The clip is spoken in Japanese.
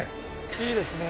いいですね。